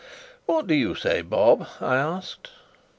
"What do you say, Bob?" I asked.